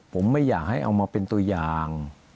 ผมไม่อยากให้เอามาเป็นตัวอย่าง